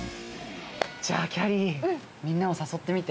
じゃあきゃりーみんなをさそってみて。